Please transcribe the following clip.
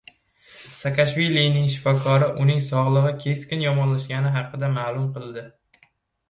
Saakashvilining shifokori uning sog‘lig‘i keskin yomonlashganini ma’lum qildi